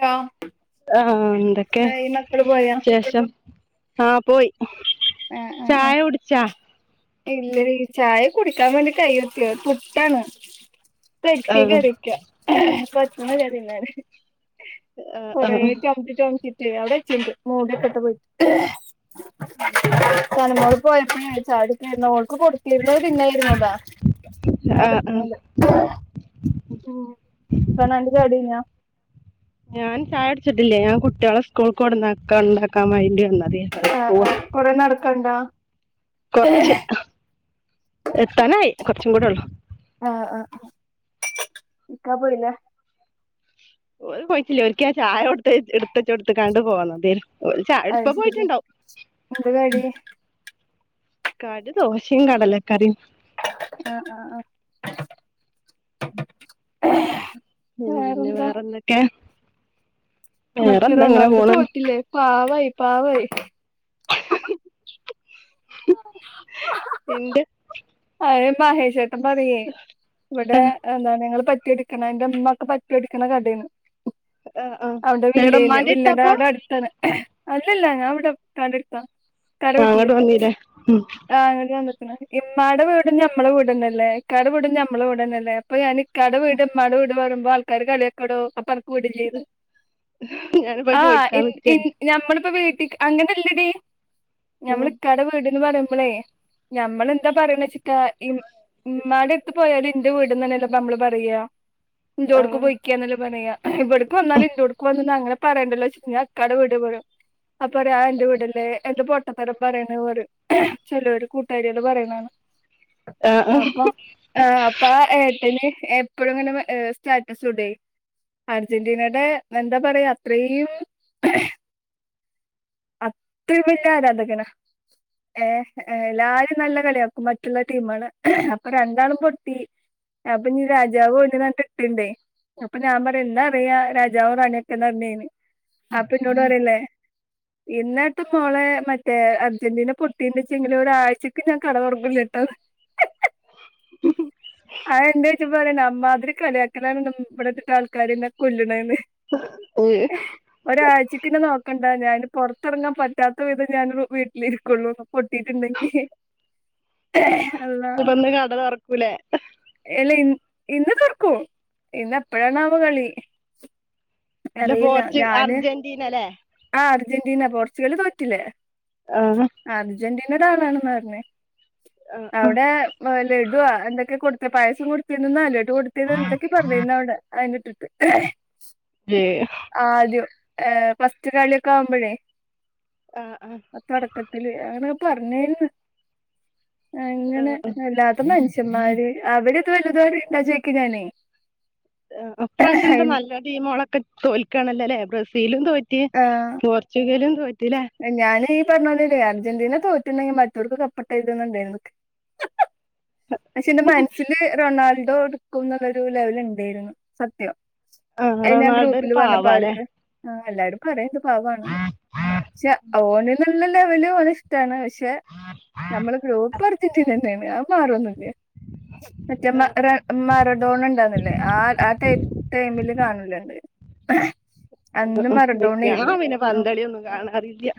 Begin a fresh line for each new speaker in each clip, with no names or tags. Hello
ആഹ് ന്തൊക്കെ ശേഷം ആഹ് പോയി ചായ കുടിച്ചാ
ഇല്ലടീ ചായ കുടിക്കാൻ വേണ്ടി കയ്യുത്തി പുട്ടാണ്
ആ
തച്ചി കറി [unintelligible]
ആ ആ
കൊറേ ചംച്ച് ചംച്ച് ഏ അവിടെച്ചീണ്ട് മൂടിയൊക്കെട്ട് പോയിട്ട് സനുമോള് കുഴപ്പ ചായകുട്ക്കര്ന്നു ഓൾക്ക് കൊടുത്തിര്ന്ന് പിന്നെ ഇര്ന്നതാ.
ആ ആ
അത്പറ്റുന്നില്ല [unintelligible]
ഞാൻ ചായ കുടിച്ചിട്ടില്ലേ ഞാൻ കുട്ട്യാളെ സ്കൂൾ കൊടന്നാകാൻ വേണ്ടി വന്നതായന്നു
ആഹ്
പോവാ.
ആഹ് കൊറേ നടക്കാണ്ടാ.
കൊർച്ച് എത്താനായി കൊർച്ചും കൂടൊള്ളൂ.
ആഹ് ആഹ് [unintelligible]
ഓല് പോയിട്ടില്ല ഓര്ക്ക് ഞാൻ ചായ കൊടുതയച്ച് എടുത്തച്ച് കൊടുത്തുകണ്ടെ പോന്നതേയ്ന്നു ഓല് ചായാകുടിച്ച്
അത്
ഇപ്പൊ
ശരി
പോയിട്ടുണ്ടാവും.
എന്താ കടി
കടി ദോഷിം കാടലക്കറിം.
ആഹ് ആഹ് ആഹ്.
പിന്നെ
വേറെന്താ
വേറെന്തൊക്കെ
മറ്റേ
വേറെന്താ ഇങ്ങനെ
റൊണാൾഡോ
പോണ്.
തോറ്റില്ലേ പാവായി പാവായി.
ഇന്റെ.
അതെ മഹേഷേട്ടൻ പറയേ
ആ
ഇവിടെ എന്താണ് ഞങ്ങള് പറ്റിയേ ന്റെമ്മാക്ക് പറ്റൊടിക്ക്ണ കടെയാണ്.
ആ ആ
അവിടെ
എവിടെ
വില്ലയില്
ഉമ്മാന്റെ അടുത്താ
വില്ലേടെ
അപ്പൊ
അവ്ടെ അടുത്താണ്. അല്ലില്ല ഞാൻ ഇവിടെ ഇത്താന്റെ അട്ത്താ.
ആഹ് അങ്ങാട്ട് വന്നീലെ
ആ ഇവിടെയാ നിക്കുന്ന ഇമ്മാടെ വീടും ഞമ്മള വീടന്നല്ലേ ഇക്കാട വീടും ഞമ്മളെ വീടന്നല്ലേ അപ്പൊ ഞാന്. ഇക്കാടെ വീട് ഇമ്മാടെ വീട് പറെംമ്പോ ആൾക്കാര് കളിയൊക്കൊടോ അപ്പ കൂടല്
ഞാനിപ്പോ
ആഹ്
ചോയിക്കാൻ
ഇൻ ഇൻ
നിക്കാണ്
ഞമ്മളിപ്പോ വീട്ടിക്ക് അങ്ങനല്ലടി ഞമ്മള്
ഉം
ഇക്കാടെ വീട്ന്ന് പറയുമ്പളേ. ഞമ്മളെന്താ പറയൂന്ന് വെച്ചിട്ടാ ഉമ്മാടെ എടുത്ത് പോയാല് എന്റെ വീട്ന്ന്നല്ലേ നമ്മള് പറയ എന്റോടുക്ക്
ആഹ്
പോയി. ഇക്കാന്നല്ലെ പറയാ ഇവിട്ക്ക് വന്നാല് എന്റോഡ്ക് വന്നാല് അങന പറേണ്ടല്ലോ വെച്ചിട്ട് ഞാൻ ഇക്കാടെ വീട് പറയൂം അപ്പ പറയും ആ എന്റെ വീടല്ലേ എന്ത് പൊട്ടത്തരം പറയണേ പറയും. ചെലോര് കൂട്ടാരിയള് പറയുന്നാണ്
ആഹ് ആഹ്
അപ്പൊ. ആ അപ്പ ആ ഏട്ടന് എപ്പെഴും ഇങ്ങനെ സ്റ്റാറ്റസ് ഇടുയെ അർജന്റീനയുടെ എന്താ പറയാ അത്രേയും. അത്രയും വലൃ ആരാധകനാ. ഏ എല്ലാരും നല്ല കളിയാക്കും മറ്റുള്ള ടീമള് അപ്പ രണ്ടാളും പൊട്ടി. അപ്പൊ ഇനി രാജാവു ഓന്റേതായിട്ടിട്ടിണ്ടേ. അപ്പ ഞാമ്പറയ ഇന്നറിയാ രാജാവും റാണിയൊക്കന്നർഞ് ഞാന് അപ്പന്നോടറില്ലേ. ഇന്നത്തെ മോളെ മറ്റേ അർജന്റീന പൊ കുട്ടീന്റെച്ചെങ്കിലും ഒരാഴ്ചക്ക് ഞാൻ കട തൊറകൂലാട്ടാന്ന്. ആഹ് എന്താ സത്യം പറയണ അമ്മാതിരി കളിയാക്കലാണ് ന്റെ മൂപ്പറെത്തീട്ട ആൾക്കാരെന്നെ കൊല്ല്ന്നേന്ന്.
[unintelligible]
ഒരാഴ്ചെക്ക് എന്നെ നോക്കെണ്ട ഞാൻ പുറത്തിറങ്ങാൻ പറ്റാത്ത വിധം ഞാനൊരു വീട്ടിലിരിക്കുള്ളൂ. പൊട്ടീട്ടുണ്ടെങ്കി അല്ലാഹ്.
ഇനിപ്പന്ന് കട തൊറക്കൂലേ
എല്ല ഇ ഇന്ന് തൊർക്കും ഇന്ന് എപ്പഴാണാവോ കളി.
ഇല്ല
അറിയില്ല
പോർച്ച്
ഞാന്
അർജന്റീനല്ലേ
ആ അർജന്റീന പോർച്ചുഗല് തോറ്റില്ലേ.
ആഹാ
അർജന്റീനയുടെ ആളാണെന്നാ പറഞ്ഞേ
ആഹ്
അവ്ടെ. ലഡുവാ എന്തൊക്കെയാ കൊടുത്തെ പായസം കൊടുത്തീന്ഔന്നാ ലഡ്ഡു കൊടുത്തീന്ന് എന്തെക്കെ പറഞ്ഞീന്ന് അവ്ടെ അയിന്റെ ട്രിപ്പ്. [unintelligible]
ഏഹ്.
ആദ്യം ഫസ്റ്റ് കളിയൊക്ക ആവുംമ്പഴേ.
ആഹ് ആഹ്.
തൊടക്കത്തില് അങ്ങന പറഞ്ഞീര്ന്ന് അങ്ങനെ
ആഹ്
എല്ലാട് ഇ മനുഷ്യന്മാര് അവര് ഇത് വല്ലതും അറിയിണ്ടാ ചോയിക്കാ ഞാന്
ഇപ്രാവിശ്യം എന്താ നല്ല ടീമോളൊക്കെ തോൽക്കാണല്ലല്ലേ ബ്രസീലും തോ റ്റ്
ആഹ്
പോർച്ചുഗലും തോറ്റ്ലെ
ഞാന് ഈ പറഞ്ഞ പോലല്ലേ അർജന്റീന തോറ്റുണ്ടെങ്കി മറ്റോർക്ക് കപ്പ്ട്ടേര്ന്നുണ്ടാര്ന്നു പക്ഷെ എന്റെ മനസ്സില് റൊണാൾഡോ എടുക്കുന്നുള്ളൊരു ലെവല് ഉണ്ടായിരുന്നു സത്യം
ആഹ്
അത് ഞാൻ
റൊണാൾഡോ ഒരു
ഗ്രൂപ്പില്
പാവാല്ലേ
പറഞപ്പവർക്ക് ആഹ് എല്ലാർക്കും അറിയാ ഇത് പാവാണെന്ന് പക്ഷെ ഓന് ന്നുള്ള ലെവല് ഓനെ ഇഷ്ടാണ് പക്ഷെ പക്ഷെ നമ്മള് ഗ്രൂപ്പ് അർജൻ്റീനന്നാണ് അത് മാറൊന്നുല്ല മറ്റേ മ്മാ ടെ ഇമ്മ ഡോൺ ഉണ്ടായിര്ന്നില്ലേ ആ ആ ടൈമില് കാണല്ണ്ട്
അ ആ വെക്തിയാണ് ഞാൻ പിന്നെ പന്തളിയൊന്നും കാണാറില്ല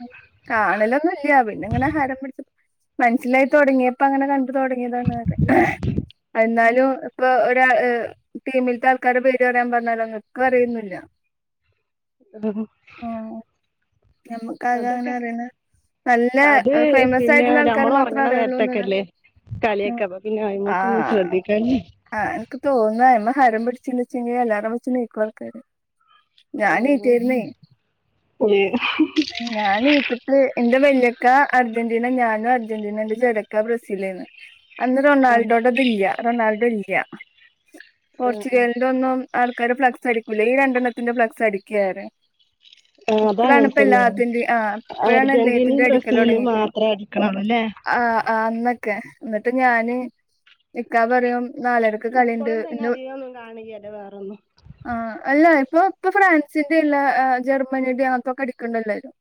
കാണലൊന്നുലൃ പിന്നെ ഇങ്ങനെ ഹരം പിടിച്ച് മനസ്സിലായി തൊടങ്ങിയപ്പോ അങ്ങനെ കണ്ട് തൊടങ്ങിയതാണ് [unintelligible] എന്നാലും ഇപ്പൊ ഒര് ടീമിൽത്തെ ആൾക്കാര പേര് പറയാൻ പറഞ്ഞാലോ ഇക്ക് അറിയൊന്നുല്ല
[unintelligible]
ഞമ്മക്കാക അവനെ
അതൊക്കെ
അറിയണ നല്ല
അത്
ഫേമസ്
പിന്നെ
ആയിട്ടുള്ള ആൾക്കാരെ മാത്രേ അറിയുള്ളൂന്നറയാ
കളിയക്ക അപ്പൊ പിന്നെ അയിമക്കൊന്നും ശ്രദ്ധിക്ക
ആഹ് എനിക്ക് തോന്നാ അയിമ്മെ ഹരം പിടിച്ച്ണ്ട് വെച്ചിണ്ടെങ്കെ അലാറം വെച്ച് നീക്കും ആൾക്കാര് ഞാൻ
ആഹ
നീറ്റായിരുന്നേ
ഇനി
ഞാൻ നീറ്റിട്ട് എന്റെ വല്യക്ക അർജന്റീന ഞാനും അർജന്റീന ഇന്റെ ചേറിയ ഇക്ക ബ്രസീൽ ഏന്നു [inaudible] അന്ന് റൊണാൾഡോടത് ഇല്യ റൊണാൾഡോ ഇല്യ
ആഹ്
പോർച്ചുഗേല്ന്റെ ഒന്നും ആൾക്കാര് ഫ്ലക്സ് അടിക്കൂല ഈ രണ്ടെണ്ണത്തിന്റെ ഫ്ലക്സ് അടിക്ക ഏറെം
ആ
ഇപ്പളാണ്
അതങ്ങനെ തന്നെയാണ്
ഇപ്പല്ലാത്തിന്റേം ആ ഇപ്പഴാണ്
അർജന്റീനയും
എല്ലേത്തിന്റേം അടിക്കല്
ബ്രസീലും
തൊടങ്ങിക്ക്ണ്
മാത്രം അടിക്കണുള്ളൂ അല്ലേ
ആ ആ അന്നൊക്കെ ഇന്നിട്ട് ഞാന് ഇക്കാ പറയും നാലരക്ക് കളിണ്ട്
ഇപ്പോഴും തന്നെ അധികം ഒന്നും കാണില്യാല്ലോ വേറൊന്നും
ആ അല്ല ഇപ്പൊ ഇപ്പൊ ഫ്രാൻസിന്റെ ഇള്ള ജർമനി അങ്ങനെത്തൊക്കെ അടിക്കണ്ട് എല്ലാരും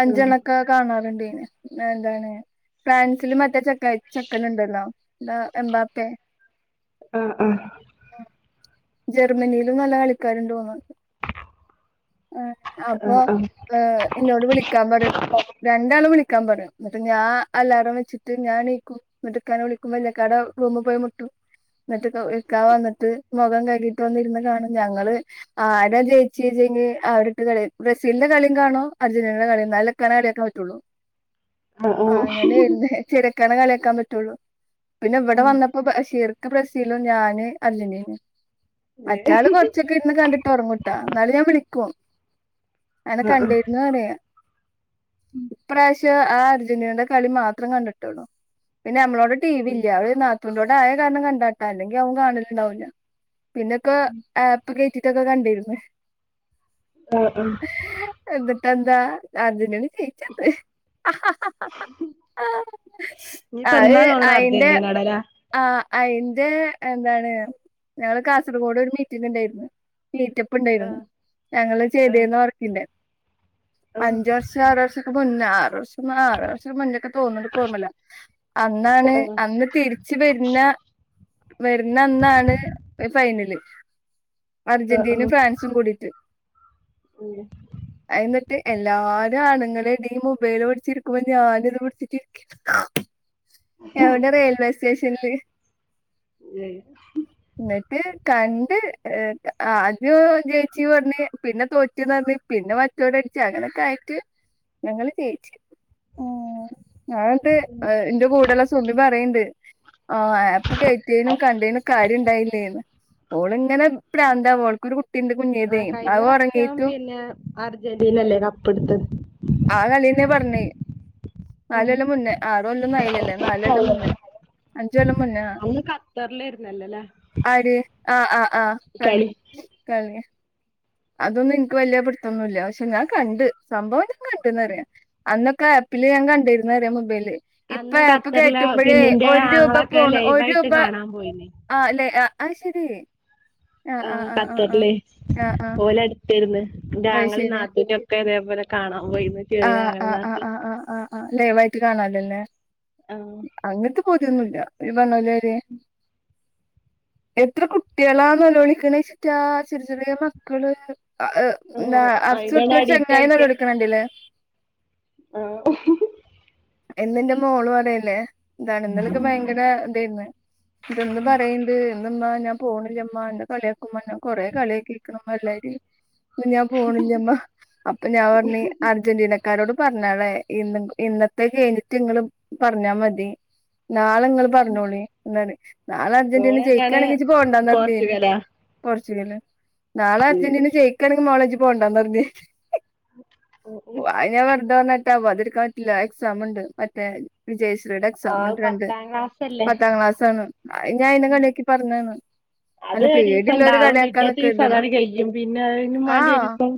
അഞ്ചേണ്ണം ഒക്കെ കാണാറുണ്ടേന് എന്താണ് ഫ്രാൻസില് മറ്റേ ചക്ക ചെക്കനിണ്ടല്ലോ എന്താ എംബാപ്പേ
ആഹ് ആഹ്
ജർമ്മനിയിലും നല്ല കളിക്കാര്ണ്ട് തോന്ന്ണ്
ആ
അപ്പൊ
ആ
ഇന്നോട് വിളിക്കാൻ പറയും രണ്ടാളും വിളിക്കാൻ പറയും ഇന്നിട്ട് ഞാൻ അലാറം വെച്ചിട്ട് ഞാൻ നീക്കും ഇന്നിട്ട് ഇക്കാനെ വിളിക്കും വല്യ ഇക്കാടെ റൂമ് പോയി മുട്ടും എന്നിട്ട് ഇക്കാ വന്നിട്ട് മുഖം കഴുകിട്ട് വന്നിരുന്ന് കാണും ഞങ്ങള് ആരാ ജയിച്ചിച്ചെങ്കെ അവരെ ഇട്ട് കളി ആ ബ്രസീലിന്റെ കളീം കാണും അർജന്റീന്റെ കളീം കാണും ഇന്നാലെല്ലെ ഇക്കാനെ കളിയാക്കാൻ പറ്റുള്ളൂ
ആ ആ
ആഹ് അങ്ങനേർന്ന് ചെറിയിക്കാനെ കളിയാക്കാൻ പറ്റുള്ളൂ പിന്നെ ഇവിടെ
ഉം.
വന്നപ്പോ ബഷീർ ബ്രസീലും ഞാന് അർജന്റിനേം
ഏ,
മറ്റാള് കുറച്ചൊക്കെ ന്ന് കണ്ടിട്ട് ഉറങ്ങുംട്ടാ ഇന്നാലും ഞാൻ വിളിക്കും അങ്ങനെ
ആ ആ
കണ്ടിരുന്നു പറയും ഇപ്രാവശ്യം ആ അർജന്റീനയുടെ കളി മാത്രം കണ്ടിട്ടുള്ളു പിന്നെ നമ്മളോടെ ടീ വി ഇല്യ അവടെ നാത്തൂൻ്റോടെ ആയ കാരണം കണ്ടാട്ടാ അല്ലെങ്കി അതും കാണല്ണ്ടാവില്ല പിന്നെ ഒക്ക ആപ്പ് കേറ്റിട്ടൊക്കെ കണ്ടിര്ന്ന്
ആഹ് ആഹ്
എന്നിട്ട് എന്താ അർജന്റീന ജയിച്ചീണ്ട്
ഇനിയിപ്പോ
അത്
എന്നാ തോന്നണ
അയിന്റെ
അർജന്റീനയുടെ ആ
ആ് അയിന്റെ എന്താണ് ഞങ്ങള് കാസർഗോഡ് ഒരു മീറ്റിംഗ് ഇണ്ടേയിരുന്നു മീറ്റപ്പ്
ആ
ഇണ്ടേരുന്നു ഞങ്ങള്
ആ
ചെയ്തീർന്ന വർക്കിന്റെ
ആ
അഞ്ച് വർഷ ഞ്ചാറ് വർഷൊക്കെ മുന്നെ ആറ് വർഷം ആഹ് ആറ് വർഷം മുന്നെ തോന്ന്ണ്ട് ഇക്കോർമ്മല്ല അന്നാണ്
ആ
അന്ന് തിരി ച്ച് വെര്ന്ന വെര്ണ അന്നാണ് ഫൈനല്
ആ
അർജന്റീനേം ഫ്രാൻസും കൂടീട്ട്
ഉം
അയിന്നിട്ട് എല്ലാരും ആണ്ങ്ങളെടി മൊബൈല് പുടിച്ചി ഇരിക്കുമ്പോ ഞാന് ഇത് പുടിച്ചിട്ടിരിക്ക എവിടെ റെയിൽവേ സ്റ്റേഷനില്
ഏഹ്
ഇന്നിട്ട് കണ്ട് ആദ്യം ജയിച്ചി പറഞ്ഞ് പിന്നെ തോറ്റ്ന്ന് പറഞ്ഞ് പിന്നെ മറ്റോരടിച്ച് അങ്ങനൊക്കെ ആയിട്ട് ഞങ്ങള് ജയിച് ഉം അത്‌ണ്ട് ഇന്റെ കൂടെള്ള സുമി പറയ്ണ്ട് ആഹ് ആപ്പ് കേറ്റ്യേനും കണ്ടേനും കാര്യം ഇണ്ടായിലെന്ന് ഓളിങ്ങനൊരു പ്രാന്താ ഓൾക്കൊരു കുട്ടിണ്ട് കുഞ്ഞേതേ
കയിഞ്ഞ പ്രാശ്യം പിന്നെ അർജന്റീനല്ലേ കപ്പ്ട്ത്തത്
ആ കളിന്നെ പർഞ്ഞ്
ഉം.
നാലൊല്ലം മുന്നേ ആറൊല്ലൊന്നും ആയിലല്ലേ നാലൊല്ലം മുന്നേ അഞ്ചൊല്ലം മുന്നെ ആഹ്
അന്ന് ഖത്തർലേര്ന്നല്ലേല്ലേ
അര് ആഹ് ആഹ് ആഹ് [unintelligible] കളി അതൊന്നും ഇനിക്ക് വെല്യേ പുട്ത്തോന്നുംല്ല പക്ഷെ ഞാൻ കണ്ട് സംഭവം ഞാ കണ്ടിന്നറിയാ അന്നൊക്കെ ആപ്പില് ഞാൻ കണ്ടിര്ന്ന് പറിയ മൊബൈല് ഇപ്പ
അന്ന്
ആപ്പ്
ഖത്തറിലെ
കേറ്റുമ്പഴേ
പിന്നിന്റെ
ഒരു രൂപ
ആങ്ങളൊക്കെ
പോണ് ഒരു
ലൈവായിട്ട്
രൂപ
കാണാൻ പോയിന്
ആഹ് ല്ലെ ആഹ് ശരി
ആഹ് ഖത്തർല്
ആഹ് ആഹ്
ഓലെ അട്ത്തെര്ന്ന്
അത്
ന്റാങ്ങളീം
ശരി
നാത്തൂന് ക്കെ ഇതേപോലെ കാണാൻ പോയിന്ന് ചെറിയ
ആഹ്
ആങ്ങളീം
ആഹ് ആഹ്
നാത്തൂനും
ആഹ് ആഹ് ആഹ് ആഹ് ലൈവായിട്ട് കാണാലൊല്ലേ
ആഹ്
അങ്ങനത്തെ പൂതിഒന്നുല്ല ഈ പറഞ്ഞോലൊരി എത്ര കുട്ട്യോളാ നല്ലോളിക്ക്ണ്ച്ചിട്ടാ ചെറി ചെറ്യേ മക്കള്
ഓ അയിനാണ്
[unintelligible]
അഡിക്റ്റ്
ചെങ്ങായി നെലോളിക്ക്ണണ്ടിലെ
ആഹ്
ഇന്നിന്റെ മോള് പറയല്ലേ താണ് ഇന്നലൊക്കെ ഭയങ്കരതായിന്ന് ഇതൊന്ന് പറയ ഇന്ന് മ്മ ഞാൻ പോണില്ലമ്മ ഞ്ഞെ കള്യക്കുമ്മ കൊറെേ കള്യക്കീ [inaudible] ഞാൻ പോണില്ലമ്മ അപ്പൊ ഞാൻ പർഞ്ഞ അർജന്റീനക്കാരോട് പറഞ്ഞാളെ ഇന്ന് ഇന്നത്തെ കഴിഞ്ഞിട്ട് ഇങ്ങള് പറഞ്ഞാ മതി നാളെ ങ്ങള് പറഞ്ഞോളി നാളെ അർജന്റീന
ഓളേതാണ്
ജയിക്കാണെങ്കി ഇജ്ജ് പോണ്ടന്നർ ഞ്ഞാൻ
പോർച്ചുഗലാ
പോർച്ചുഗല് നാളെ അർജന്റീന ജയിക്കാണെങ്കിൽ മോളേ ജ് പോണ്ടന്ന് പറഞ്
ഓ
ഓഹ് അത് ഞാവെർതെ പറഞ്ഞറ്റാ വോവാത്ട്ക്കാൻ പറ്റില്ല എക്സാമ്ണ്ട് മറ്റേ വിജയശ്വീടെ
ആ
എക്സാംണ്ട്
പത്താം ക്ലാസ്സല്ലേ
പത്താം ക്ലാസാണ് അയ്ഞാ അയിനെ കളിയാക്കി പറഞാണ്
അത് ഒരീസംണ്ടാവുംപിറ്റത്തെസം
നിക്കരുതല്ലോ
അതണ് കയ്യും പിന്നെ അയിനും വാണ്ടി
ആഹ്
ഒരീസം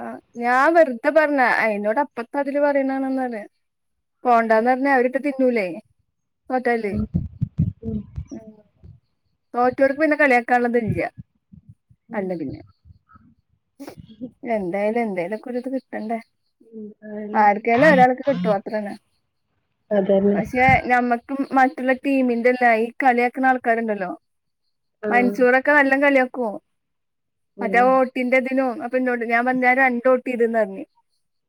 ആഹ് ഞാൻ വെർതെ പറഞ്ഞ അയ്നോട് അപ്പത്തെ അതില് പറയണാണ് പറയ പോണ്ടാന്ന് പറഞ്ഞാ അവരിട്ട് തിന്നൂലേ തോറ്റാല് ഉം തോറ്റോർക്ക് പിന്നെ കളിയാക്കാന്ള്ളത്ല്ല അല്ലപിന്നെ എന്തായാലും എന്തേലൊക്കെര് ത് കിട്ടണ്ടേ ആർക്കേലു ഒരാൾക്ക് കിട്ടും അത്രന്ന
അതന്നെ
പക്ഷെ ഞമ്മക്ക് മറ്റുള്ള ടീമിന്റെല്ല ഈ കളിയാക്ക്ണ ആൾക്കാര്ണ്ടല്ലോ
ആ
മൻസൂറൊക്കെ ക്കെ നല്ല കളിയാക്കും
ഏ
മറ്റേ വോട്ടിന്റെതിനും പ്പന്നോട് ഞാൻ പറഞ് ഞാൻ രണ്ട് വോട്ട് ചെയ്‌തെന്ന് പറഞ്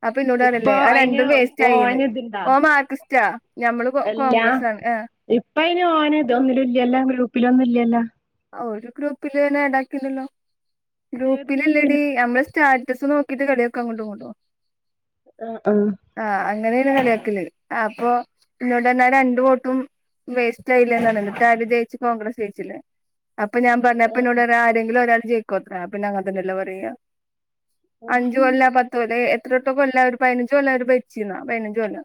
അപ്പൊ ഇന്നോടറിഞ്ഞില്ലേ
ഇപ്പൊ
ആ
അയിന്
രണ്ടും വേസ്റ്റ് ആയിന്ന്
ഓന് ഇതുണ്ടാ
ഓൻ മാർക്കിസ്റ്റാ ഞമ്മള് കോ
അല്ല
കോൺഗ്രസ് ആണ്
ഇപ്പ അയിന് ഓന് ഇത ഒന്നും ഇല്ലല്ലോ ഗ്രൂപ്പില് ഒന്നും ഇല്ലല്ലോ
ഒരു ഗ്രൂപ്പില് തന്നെ ടാക്കിണ്ടലല്ലോ ഗ്രൂപ്പിലല്ലടി നമ്മള് സ്റ്റാറ്റസ് നോ ക്കിട്ട് കളിയാക്ക അങ്ങോട്ടും ഇങ്ങോട്ടും
ആഹ് ആഹ്
ആ അങ്ങനെയാണ് കളിയാക്കല് അപ്പൊ ഇന്നോണ്ട് പറഞ് ആ രണ്ട് വോട്ടും വേസ്റ്റ് ആയിലെ ന്ന് എന്നിട്ട് ആര് ജയിച്ച് കോൺഗ്രസ് ജയിച്ചില്ലേ അപ്പൊ ഞാൻ പറഞ് അപ്പന്നോട് പറയ്യ ആരെങ്കിലും ഒരാൾ ജയികോതരേ പിന്നെ അങ്ങനെ തന്നെ അല്ലേ പറയാ അഞ്ച് കൊല്ല പത്തുകൊല്ലെ എത്ര തട്ടൊ കൊല്ല ഒരു പതിനഞ്ച് കൊല്ല അവര് ഭരിച്ചിരുന്നാ പതിനഞ്ച് കൊല്ലം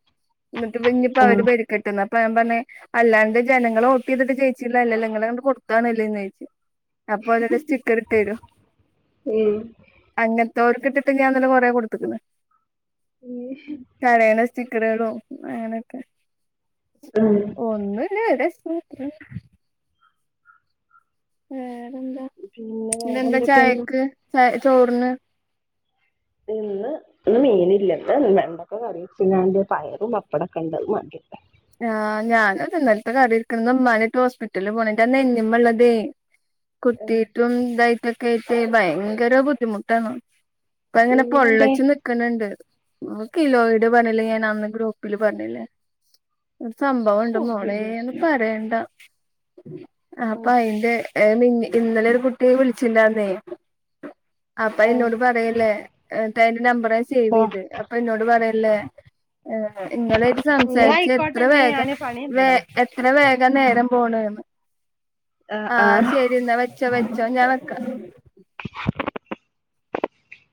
എന്നിട്ട് ഇഞ്ഞിപ്പോ
ആഹ് ഉം
അവര് ഭരി ക്കട്ടെന്നു അപ്പ ഞാൻ പറഞ് അല്ലാണ്ട് ജനങ്ങള് വോട്ട് ചെയ്തിട്ട് ജയിച് അല്ലല്ല നിങ്ങളെണ്ട് കൊടുത്ത [inaudible] അപ്പൊ ഓന് ഓരോ സ്റ്റിക്കർ ഇട്ട് തരും അങ്ങനത്തെ ഓർക്ക് ഇട്ടിട്ട് ഞാൻ ഇന്നലെ കൊറേ കൊടുത്ത്ക്കണ്
ഉം
കരയണ സ്റ്റിക്കറുകളും അങ്ങനെയൊക്കെ
ഉമ്
ഒന്നുല്ല ഒരു രസം അത്രള്ളു വേറെന്താ
പിന്നെ വേറെ
ഇന്നന്താ
എന്തൊക്കെയാന്ന്
ചായക്ക് ച ചോറിന്
തിന്ന് ഇന്ന് മീനില്ല വെണ്ടൊക്ക കറി വെച്ച് ങ്ങാണ്ട് പയറും പപ്പടൊക്കെണ്ട് അത് മതില്ല
ആ ഞാനത് ഇന്നലത്തെ കറിയിരിക്കണ് ഇന്ന് ഉമ്മായിട്ട് ഹോസ്പിറ്റലിൽ പോണം ഇന്റ നെഞ്ഞിമേള്ളതേ
ആഹ്
കുത്തിട്ടും ഇതായിട്ടൊക്കെ ആയിട്ട് ഭയങ്കര ബുദ്ധിമുട്ടാണ് ഇപ്പ അങ്ങനെ
നെഞ്ഞുമെന്തേ
പൊള്ളച്ച് നിക്കണണ്ട് കിലോയിട് പറഞ്ഞില്ലേ ഞാൻ അന്ന് ഗ്രൂപ്പില് പറഞ്ഞില്ലേ സംഭവംണ്ട്
ഓർമ്മയില്ല
മോളേന്ന് പറയണ്ട അപ്പൊ
ആഹ്
അയിന്റെ ഏഹ് ഇന്നലെ ഒരു കുട്ടിയെ വിളിച്ചിണ്ടന്നേ അപ്പ
ആഹ്
അയ്ന്നോട് പറയല്ലേ തന്റെ നമ്പറ് സേവ്
ഓഹ്
ചെയ്ത് അപ്പൊ ഇന്നോട് പറയല്ലേ ഏ ഇങ്ങളായിട്ട്
ഇന്നാ
സംസാരിച്ച്
ആയിക്കോട്ടെ
എത്ര
എന്നാ
വേഗം
ഞാന്
വേ
പണിയുണ്ടെടോ
എത്ര വേഗം നേരം പോണേന്ന്
ആഹ്
ആ
ആഹ്
ശരി എന്നാ വ വെച്ചോ വെച്ചോ ഞൻ വെക്ക
[inaudible]